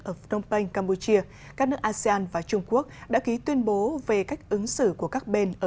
ở phnom penh campuchia các nước asean và trung quốc đã ký tuyên bố về cách ứng xử của các bên ở